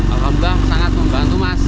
alhamdulillah sangat membantu mas